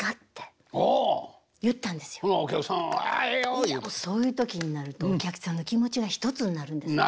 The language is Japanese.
いやもうそういう時になるとお客さんの気持ちが一つになるんですね。